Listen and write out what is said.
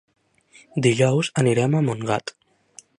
Dijous anirem a Montgat.